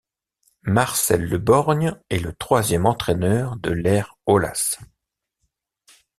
Marcel Le Borgne est le troisième entraîneur de l'ère Aulas.